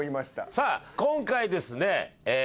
さあ今回ですねえー